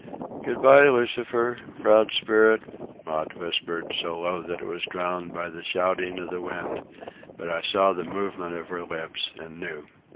"Good bye, Lucifer, proud spirit," Maud whispered, so low that it was drowned by the shouting of the wind; but I saw the movement of her lips and knew.